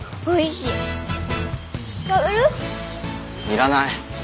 要らない。